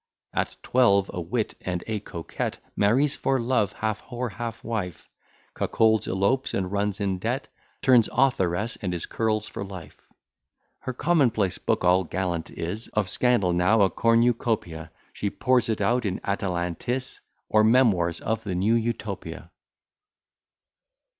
At twelve, a wit and a coquette; Marries for love, half whore, half wife; Cuckolds, elopes, and runs in debt; Turns authoress, and is Curll's for life. Her common place book all gallant is, Of scandal now a cornucopia; She pours it out in Atalantis Or memoirs of the New Utopia.